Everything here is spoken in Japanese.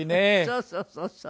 そうそうそうそう。